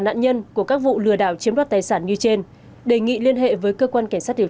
nạn nhân của các vụ lừa đảo chiếm đoạt tài sản như trên đề nghị liên hệ với cơ quan cảnh sát điều